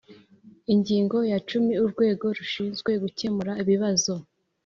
ingingo ya cumi urwego rushinzwe gucyemura ibibazo